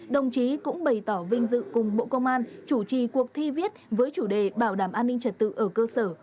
đồng chí cũng bày tỏ vinh dự cùng bộ công an chủ trì cuộc thi viết với chủ đề bảo đảm an ninh trật tự ở cơ sở